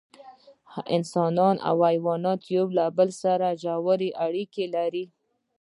انسانان او حیوانات د یو بل سره ژوی اړیکې لري